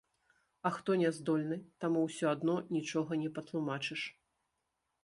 А хто не здольны, таму ўсё адно нічога не патлумачыш.